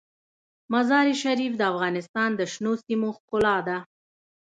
مزارشریف د افغانستان د شنو سیمو ښکلا ده.